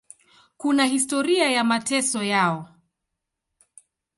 Kuna historia ya mateso yao.